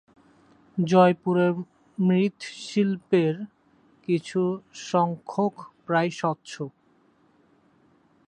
জয়পুরের মৃৎশিল্পের কিছু সংখ্যক প্রায়-স্বচ্ছ।